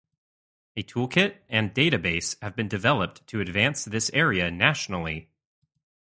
A toolkit, and database, have been developed to advance this area nationally.